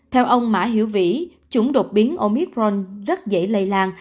theo ông mã hiễu vĩ chủng đột biến omicron rất dễ lây lan